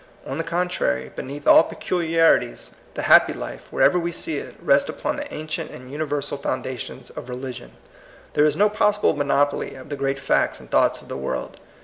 On the contrary, be neath all peculiarities, the 'happy life, wher ever we see it, rests upon the ancient and universal foundations of religion. There is no possible monopoly of the great facts and thoughts of the world.